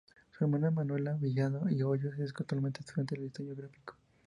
Su hermana Manuela Villada Hoyos es actualmente estudiante de diseño gráfico.